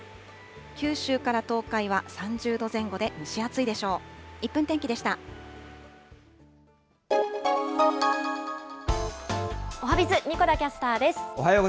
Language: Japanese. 九州から東海は３０度前後で蒸し暑いでしょう。